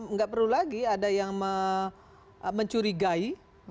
nggak perlu lagi ada yang mencurigai